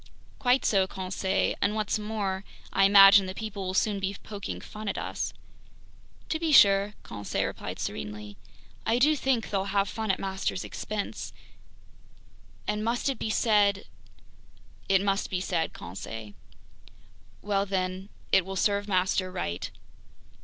"Quite so, Conseil, and what's more, I imagine that people will soon be poking fun at us!" "To be sure," Conseil replied serenely, "I do think they'll have fun at master's expense. And must it be said ...?" "It must be said, Conseil." "Well then, it will serve master right!"